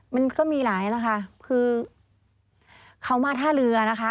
มันก็มีหลายแล้วค่ะคือเขามาท่าเรือนะคะ